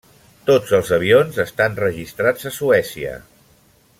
Tots els avions estan registrats a Suècia.